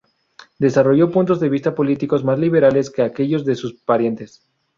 Desarrolló puntos de vistas políticos más liberales que aquellos de sus parientes.